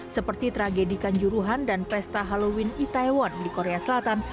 seperti tragedikan juruhan dan pesta halloween di taiwan di korea selatan